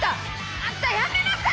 あんたやめなさい！